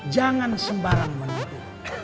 jangan sembarang menipu